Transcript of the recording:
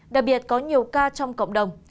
đặc biệt có nhiều ca trong cộng đồng